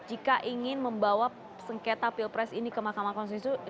terkait soal jika ingin membawa sengketa pilpres ke makamah konstitusi itu